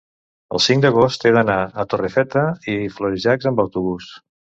el cinc d'agost he d'anar a Torrefeta i Florejacs amb autobús.